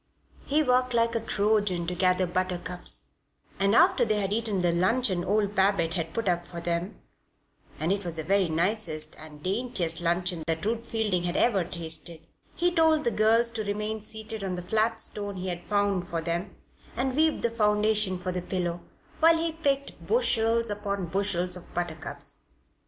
He worked like a Trojan to gather buttercups, and after they had eaten the luncheon old Babette had put up for them (and it was the very nicest and daintiest luncheon that Ruth Fielding had ever tasted) he told the girls to remain seated on the flat stone he had found for them and weave the foundation for the pillow while he picked bushels upon bushels of buttercups.